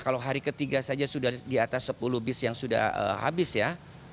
kalau hari ketiga saja sudah di atas sepuluh bis yang sudah habis ya